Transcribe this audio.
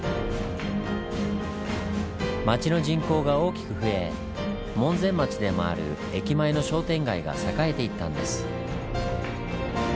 町の人口が大きく増え門前町でもある駅前の商店街が栄えていったんです。